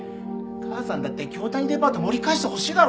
母さんだって京谷デパート盛り返してほしいだろ？